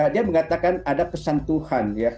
dia mengatakan ada pesan tuhan ya